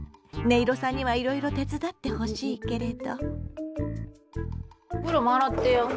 いろさんにはいろいろ手伝ってほしいけれど。